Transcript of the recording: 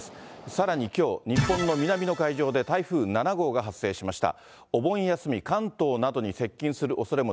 さらにきょう、日本の南の海上で、台風７号が発生しました。